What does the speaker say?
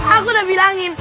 aku udah bilangin